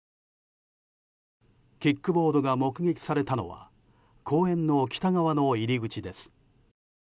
キックボードが目撃されたのは公園の北側の入り口です。